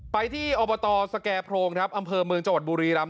ไปที่อบตสแก่โพรงครับอำเภอเมืองจังหวัดบุรีรำ